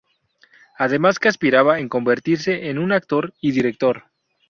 Además que aspiraba en convertirse en un actor y director.